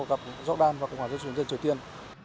gặp jordan và cộng hòa dân chủ nhân trời tiên